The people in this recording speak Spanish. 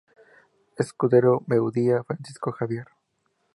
Escudero Buendía, Francisco Javier.